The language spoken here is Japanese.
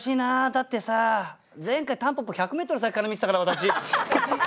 だってさ前回たんぽぽ１００メートル先から見てたから私。